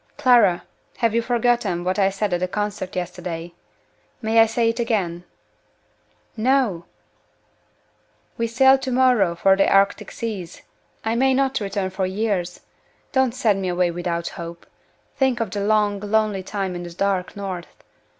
"Clara! have you forgotten what I said at the concert yesterday? May I say it again?" "No!" "We sail to morrow for the Arctic seas. I may not return for years. Don't send me away without hope! Think of the long, lonely time in the dark North!